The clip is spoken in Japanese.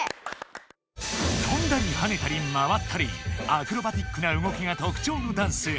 とんだりはねたり回ったりアクロバティックな動きが特徴のダンス